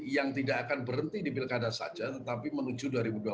yang tidak akan berhenti di pilkada saja tetapi menuju dua ribu dua puluh empat